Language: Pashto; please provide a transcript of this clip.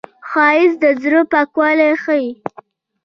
ښایست د زړه پاکوالی ښيي